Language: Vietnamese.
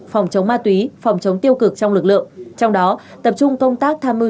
phòng chống ma túy phòng chống tiêu cực trong lực lượng trong đó tập trung công tác tham mưu